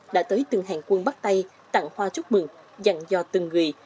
đã tới từng hạng quân bắt tay tặng hoa chúc mừng dặn do từng người